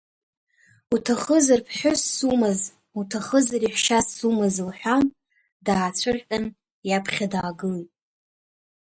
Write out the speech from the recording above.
Уҭахызар, ԥҳәысс сумаз, уҭахызар, еҳәшьас сумаз, — лҳәан даацәырҟьан иаԥхьа даагылеит.